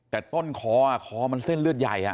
แต่ต้นคอคอมันเส้นเลือดใหญ่